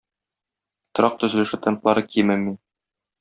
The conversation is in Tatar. Торак төзелеше темплары кимеми.